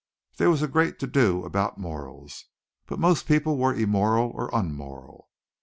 There was a great to do about morals, but most people were immoral or unmoral.